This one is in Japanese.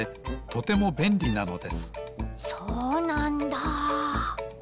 とてもべんりなのですそうなんだ！